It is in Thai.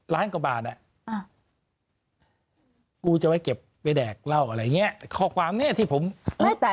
ทำไมตอนแรกไปช่อกงล่ะ